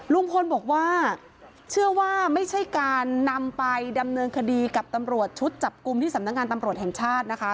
ลุงพลบอกว่าเชื่อว่าไม่ใช่การนำไปดำเนินคดีกับตำรวจชุดจับกลุ่มที่สำนักงานตำรวจแห่งชาตินะคะ